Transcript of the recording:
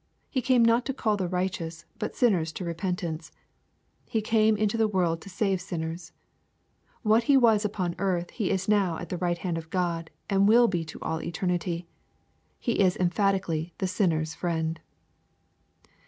He came not to call the righteous, but sinners to repentance. He came into the world to save sinners. What He was upon earth He is now at the right hand of God, and will be to all eternity. He is emphatically the sinner's Friend.